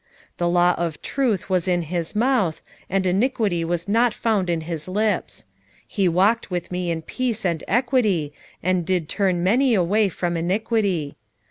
2:6 The law of truth was in his mouth, and iniquity was not found in his lips: he walked with me in peace and equity, and did turn many away from iniquity.